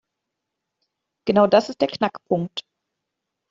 Genau das ist der Knackpunkt.